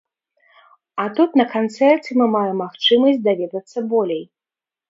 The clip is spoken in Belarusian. А тут на канцэрце мы маем магчымасць даведацца болей.